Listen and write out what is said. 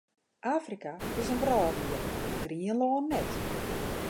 Afrika is in wrâlddiel, Grienlân net.